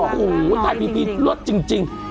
หูตายพีพีรวชจริง